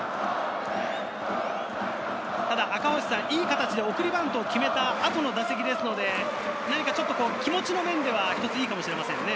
ただ赤星さん、いい形で送りバントを決めた後の打席ですので、何かちょっと気持ちの面では一ついいかもしれませんね。